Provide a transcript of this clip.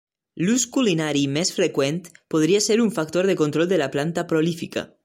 L'ús culinari més freqüent podria ser un factor de control de la planta prolífica.